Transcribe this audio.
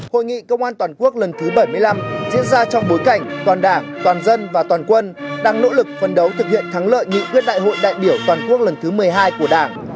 hội nghị công an toàn quốc lần thứ bảy mươi năm diễn ra trong bối cảnh toàn đảng toàn dân và toàn quân đang nỗ lực phân đấu thực hiện thắng lợi nghị quyết đại hội đại biểu toàn quốc lần thứ một mươi hai của đảng